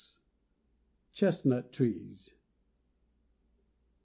67 CHESTNUT TREES.